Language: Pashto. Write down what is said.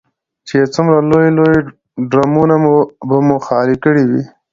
چې څومره لوی لوی ډرمونه به مو خالي کړي وي.